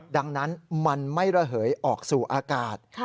ดังนั้นมันไม่ระเหยออกสู่อากาศ